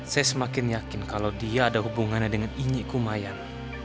saya semakin yakin kalau dia ada hubungannya dengan ini kumayan